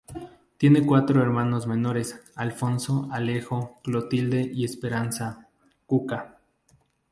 Tiene cuatro hermanos menores: Alfonso, Alejo, Clotilde y Esperanza "Cuca".